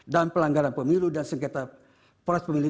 dan pelanggaran pemilu dan sengketa pres pemilu dua ribu sembilan belas